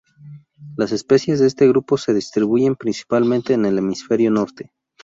Las especies de este grupo se distribuyen principalmente en el Hemisferio norte.